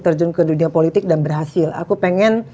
terjun ke dunia politik dan berhasil aku pengen